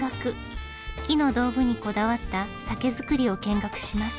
木の道具にこだわった酒造りを見学します。